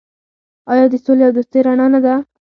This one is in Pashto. آیا د سولې او دوستۍ رڼا نه ده؟